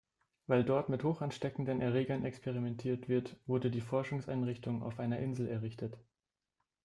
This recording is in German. Weil dort mit hochansteckenden Erregern experimentiert wird, wurde die Forschungseinrichtung auf einer Insel errichtet.